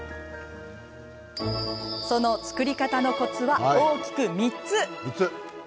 その作り方のコツは大きく３つ。